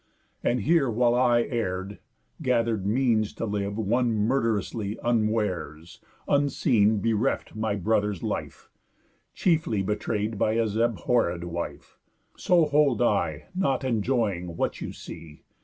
And here while I Err'd, gath'ring means to live, one, murd'rously, Unwares, unseen, bereft my brother's life, Chiefly betray'd by his abhorréd wife. So hold I, not enjoying, what you see.